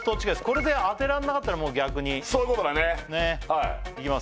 これで当てられなかったらもう逆にそういうことだねいきます